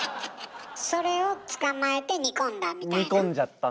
それを捕まえて煮込んだみたいな？